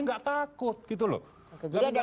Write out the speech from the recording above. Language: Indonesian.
nggak takut gitu loh jadi ada